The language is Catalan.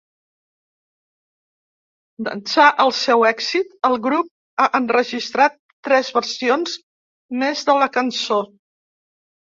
D'ençà el seu èxit, el grup ha enregistrat tres versions més de la cançó.